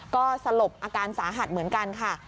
ก็สลบอาการสาหัสเหมือนกันค่ะ